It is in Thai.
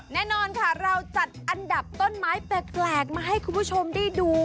แน่นอนค่ะเราจัดอันดับต้นไม้แปลกมาให้คุณผู้ชมได้ดู